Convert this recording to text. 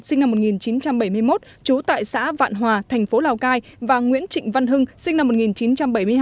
sinh năm một nghìn chín trăm bảy mươi một trú tại xã vạn hòa thành phố lào cai và nguyễn trịnh văn hưng sinh năm một nghìn chín trăm bảy mươi hai